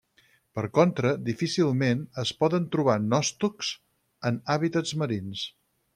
Per contra, difícilment es poden trobar nòstocs en hàbitats marins.